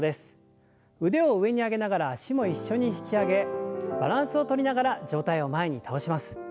腕を上に上げながら脚も一緒に引き上げバランスをとりながら上体を前に倒します。